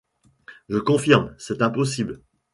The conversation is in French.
Je confirme : c’est impossible.